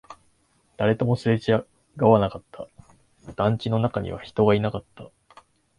誰ともすれ違わなかった、団地の中には人がいなかった